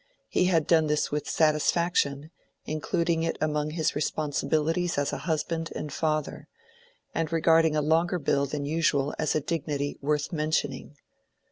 He had done this with satisfaction, including it among his responsibilities as a husband and father, and regarding a longer bill than usual as a dignity worth mentioning.